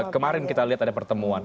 kemarin kita lihat ada pertemuan